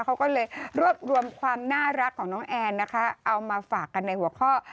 เขาก็เลยรวบรวมความน่ารักของน้องแอนนะคะเอามาฝากกันในหัวข้อ